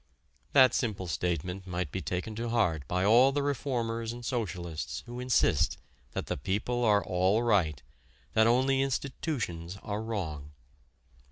That simple statement might be taken to heart by all the reformers and socialists who insist that the people are all right, that only institutions are wrong.